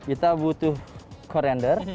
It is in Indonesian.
kita butuh coriander